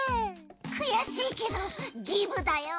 悔しいけどギブだよ